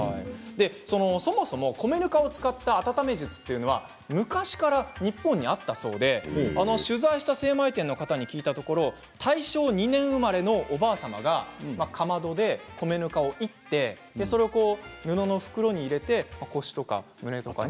そもそも米ぬかを使った温め術は昔から日本にあったそうで取材した精米店の方に聞いたところ大正２年生まれのおばあさまがかまどで米ぬかをいってそれを布の袋に入れて腰とか胸とかに。